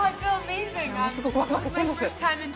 すごくワクワクしてます。